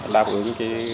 đáp ứng cái